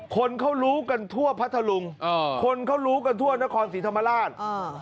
คนเขารู้กันทั่วพัทธลุงคนเขารู้กันทั่วนครศรีธรรมราช